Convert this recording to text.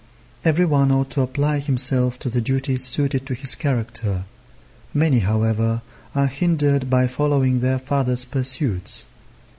Every one ought to apply himself to the duties suited to his character. Many, however, are hindered by following their fathers' pursuits.